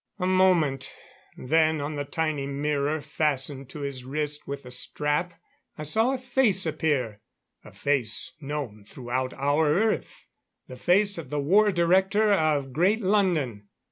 A moment; then on the tiny mirror fastened to his wrist with a strap, I saw a face appear a face known throughout our Earth the face of the War Director of Great London.